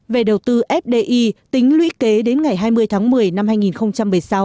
về đầu tư fdi tính lũy kế đến ngày hai mươi tháng một mươi năm hai nghìn một mươi sáu